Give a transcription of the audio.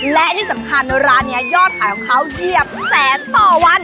และที่สำคัญร้านนี้ยอดขายของเขาเหยียบแสนต่อวัน